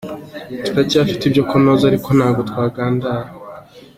Turacyafite ibyo kunoza ariko ntabwo twagandaye.